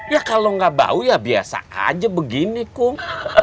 ya kalau gak bau ya biasa aja begini kum